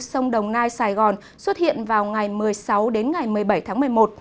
sông đồng nai sài gòn xuất hiện vào ngày một mươi sáu đến ngày một mươi bảy tháng một mươi một